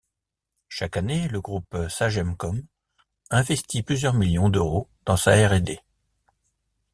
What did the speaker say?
Chaque année le Groupe Sagemcom investit plusieurs millions d’euros dans sa R&D.